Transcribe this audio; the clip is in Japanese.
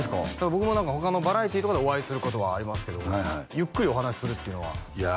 僕も何か他のバラエティーとかでお会いすることはありますけどゆっくりお話しするっていうのはいや